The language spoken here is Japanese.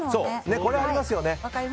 これ、ありますよね。